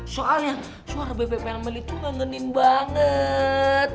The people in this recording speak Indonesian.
soalnya suara beb beb melmel itu ngengin banget